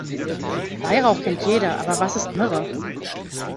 Weihrauch kennt jeder, aber was ist Myrrhe?